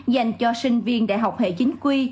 dành cho sinh viên đại học hệ chính quy